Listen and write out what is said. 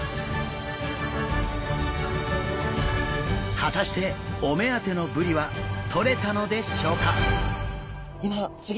果たしてお目当てのブリはとれたのでしょうか？